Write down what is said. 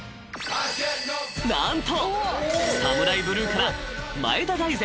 ［何とＳＡＭＵＲＡＩＢＬＵＥから前田大然。